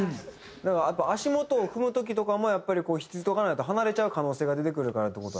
だからやっぱ足元を踏む時とかもやっぱり引っついとかないと離れちゃう可能性が出てくるからっていう事。